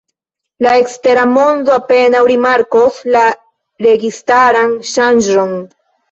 La ekstera mondo apenaŭ rimarkos la registaran ŝanĝon.